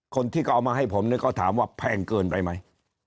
คนที่เขาเอามาให้ผมก็ถามว่าแพงเกินไปไหม